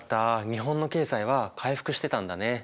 日本の経済は回復してたんだね。